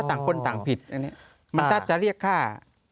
ต่างคนต่างผิดอันนี้มันถ้าจะเรียกค่า